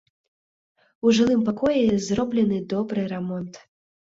У жылым пакоі зроблены добры рамонт.